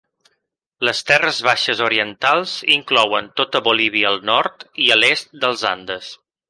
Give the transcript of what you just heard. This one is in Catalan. Les terres baixes orientals inclouen tota Bolívia al nord i a l'est dels Andes.